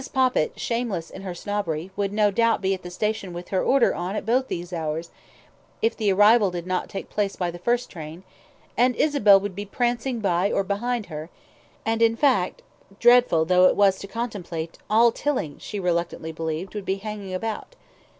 Poppit, shameless in her snobbery, would no doubt be at the station with her Order on at both these hours, if the arrival did not take place by the first train, and Isabel would be prancing by or behind her, and, in fact, dreadful though it was to contemplate, all Tilling, she reluctantly believed, would be hanging about.